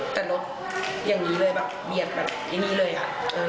แต่รถอย่างนี้เลยแบบเบียดแบบไอ้นี่เลยค่ะ